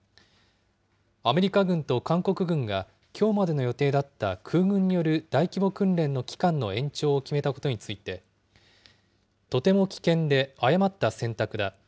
アメリカ軍と韓国軍が、きょうまでの予定だった空軍による大規模訓練の期間の延長を決めたことについて、とても危険で誤った選択だ。